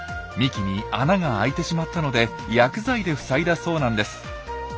幹に穴があいてしまったので薬剤で塞いだそうなんです。